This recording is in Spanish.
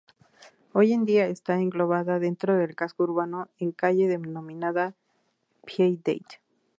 Hoy en día está englobada dentro del casco urbano, en la calle denominada Piedade.